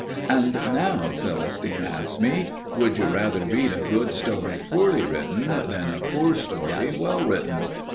And now Celestine asks me, "Would you rather read a good story poorly written than a poor story well written?"